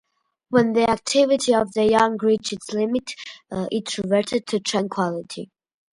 When the activity of the yang reached its limit, it reverted to tranquility.